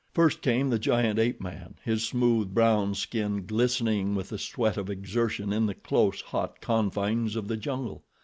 First came the giant ape man, his smooth, brown skin glistening with the sweat of exertion in the close, hot confines of the jungle.